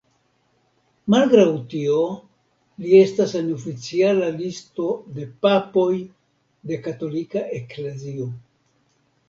Malgraŭ tio, li estas en oficiala listo de papoj de katolika eklezio.